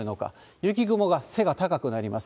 雪雲が背が高くなります。